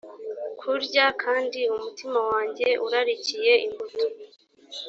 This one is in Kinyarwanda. kurya kandi umutima wanjye urarikiye imbuto